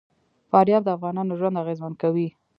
فاریاب د افغانانو ژوند اغېزمن کوي.